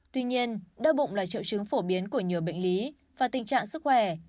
tuy nhiên đau bụng là triệu chứng phổ biến của nhiều bệnh lý và tình trạng sức khỏe